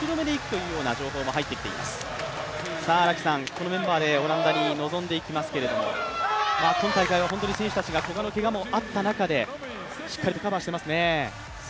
このメンバーでオランダに臨んでいきますけれども、今大会は選手たちが古賀のけがもあった中でしっかりとカバーしていますね。